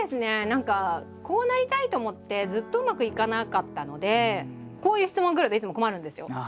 何かこうなりたいと思ってずっとうまくいかなかったのでこういう質問くるといつも困るんですよ。